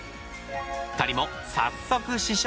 ２人も早速試食。